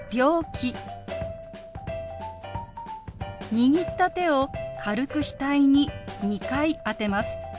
握った手を軽く額に２回当てます。